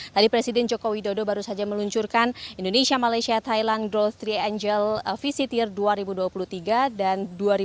tadi presiden joko widodo baru saja meluncurkan indonesia malaysia thailand growth tri angel visitir dua ribu dua puluh tiga dan dua ribu dua puluh